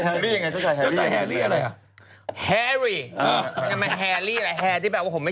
เหลือใจแฮรี่ยังไง